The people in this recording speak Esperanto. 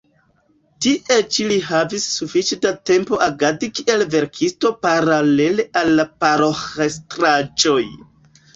Tie ĉi li havis sufiĉe da tempo agadi kiel verkisto paralele al la paroĥestraĵoj.